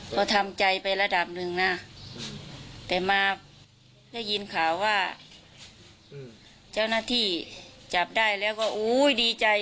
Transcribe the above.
ก็ทำใจไประดับหนึ่งนะแต่มาได้ยินข่าวว่าเจ้าหน้าที่จับได้แล้วก็โอ้ยดีใจ